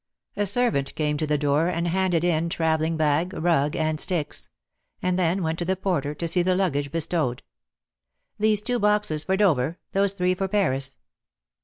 A servant came to the door and handed in travel ling bag, rug and sticks; and then went with the porter to see the luggage bestowed. "These two boxes for Dover, those three for Paris."